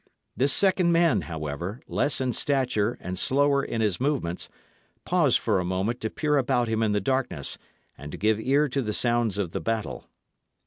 This second man, however, less in stature and slower in his movements, paused for a moment to peer about him in the darkness, and to give ear to the sounds of the battle.